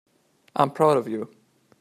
I'm proud of you.